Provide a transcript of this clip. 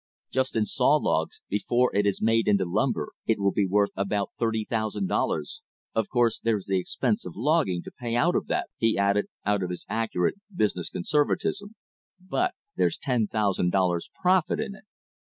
Just in saw logs, before it is made into lumber, it will be worth about thirty thousand dollars, of course there's the expense of logging to pay out of that," he added, out of his accurate business conservatism, "but there's ten thousand dollars' profit in it."